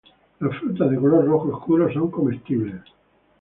Las frutas de color rojo oscuro son comestibles.